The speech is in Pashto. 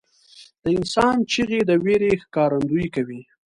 • د انسان چیغې د وېرې ښکارندویي کوي.